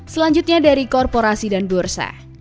selanjutnya dari korporasi dan bursa